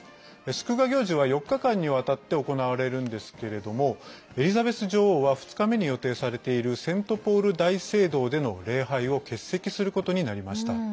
祝賀行事は４日間にわたって行われるんですけれどもエリザベス女王は２日目に予定されているセントポール大聖堂での礼拝を欠席することになりました。